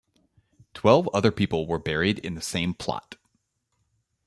Twelve other people were buried in the same plot.